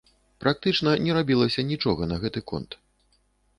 Практычна не рабілася нічога на гэты конт.